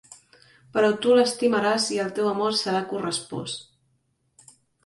Però tu l'estimaràs i el teu amor serà correspost.